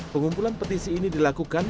pengumpulan petisi ini dilakukan oleh ahok